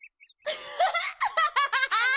アハハハハ！